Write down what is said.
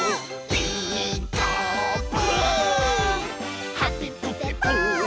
「ピーカーブ！」